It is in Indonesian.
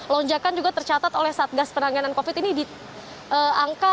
lonjakan juga tercatat oleh satgas penanganan covid sembilan belas ini di tanggal dua puluh